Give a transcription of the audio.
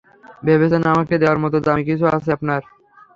ভেবেছেন, আমাকে দেয়ার মতো দামী কিছু আছে আপনার?